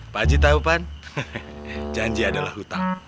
pak haji tau kan janji adalah hutang